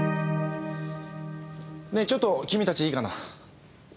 ねえちょっと君たちいいかな？